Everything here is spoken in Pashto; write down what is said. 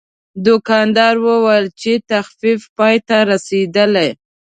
دوکاندار وویل چې تخفیف پای ته رسیدلی.